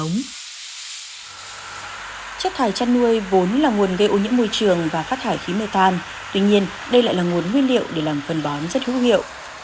chất thải chăn nuôi vốn là nguồn gây ô nhiễm môi trường và phát thải khí mê tan tuy nhiên đây lại là nguồn nguyên liệu để làm phân bón rất hữu hiệu